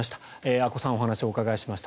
阿古さんお話をお伺いしました。